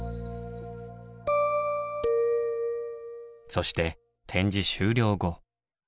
そして展示終了後。